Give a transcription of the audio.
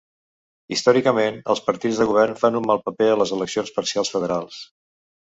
Històricament, els partits de govern fan un mal paper a les eleccions parcials federals.